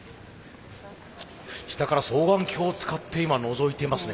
下から双眼鏡を使って今のぞいていますね。